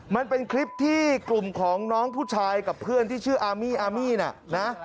มันเป็นคลิปที่กลุ่มของน้องผู้ชายกับเพื่อนที่ชื่ออามี่อามี่น่ะนะ